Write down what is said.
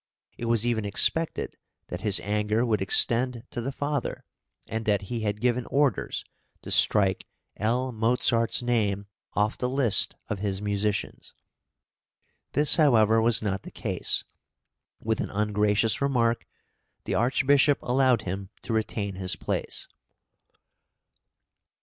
It was even expected that his anger would extend to the father, and that he had given orders to strike L. Mozart's name off the list of his musicians. This, however, was not the case; with an ungracious remark the Archbishop allowed him to retain his place.